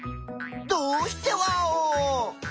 どうしてワオ！？